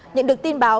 nhận được tin báo